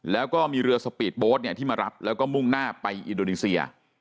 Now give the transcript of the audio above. แล้วก็มีเรือสปีดโบ๊ทที่มารับแล้วก็มุ่งหน้าไปอินโดนีเซีย